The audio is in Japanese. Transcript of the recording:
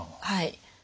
はい。